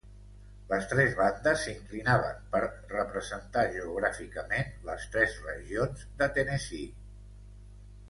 Les tres bandes s'inclinaven per representar geogràficament les tres regions de Tennessee.